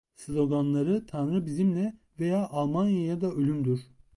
Sloganları "Tanrı bizimle" veya "Almanya ya da ölüm" dür.